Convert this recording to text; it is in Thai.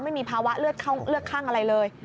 ไม่มีภาวะเลือดข้างอะไรเลย